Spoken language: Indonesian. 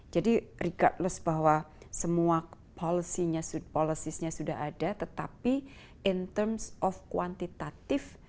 jadi regardless bahwa semua polisinya sudah ada tetapi in terms of kuantitatif